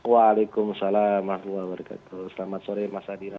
wa'alaikumussalam warahmatullahi wabarakatuh selamat sore mas adi